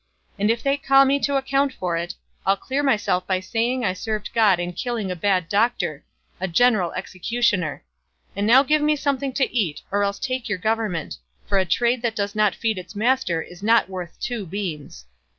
And if they call me to account for it, I'll clear myself by saying I served God in killing a bad doctor a general executioner. And now give me something to eat, or else take your government; for a trade that does not feed its master is not worth two beans."